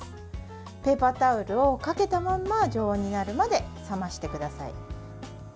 ペーパータオルをかけたまま常温になるまで冷ましてください。